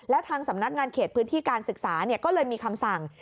แล้วทางสำนักงานเขตพื้นที่การศึกษาก็เลยมีคำสั่ง